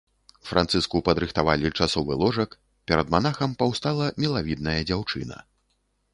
Францыску падрыхтавалі часовы ложак, перад манахам паўстала мілавідная дзяўчына.